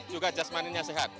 juga jasmaninya sehat